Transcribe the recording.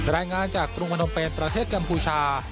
รายงานจากกรุงพนมเป็นประเทศกัมพูชา